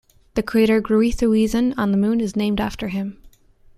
The crater Gruithuisen on the Moon is named after him.